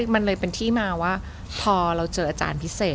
มันเลยเป็นที่มาว่าพอเราเจออาจารย์พิเศษ